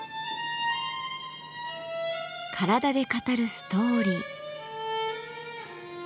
体で語るストーリー。